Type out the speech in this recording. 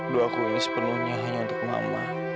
doaku ini sepenuhnya hanya untuk mama